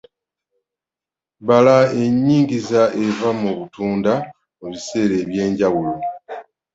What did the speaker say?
Bala ennyingiza eva mu butunda mu biseera eby’enjawulo.